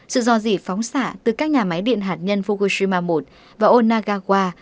sự do dị phóng xạ từ các nhà máy điện hạt nhân fukushima i và onagawa